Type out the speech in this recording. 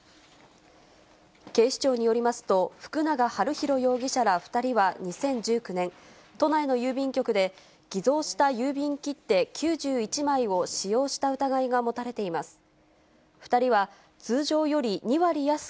警視庁によりますと、福永悠宏容疑者ら２人は２０１９年、都内の郵便局で、偽造した郵便切手９１枚を使用した疑いが持たれています。